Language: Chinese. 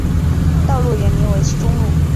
道路原名为七中路。